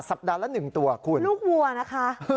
สัปดาห์ละ๑ตัวคุณลูกวัวนะคะ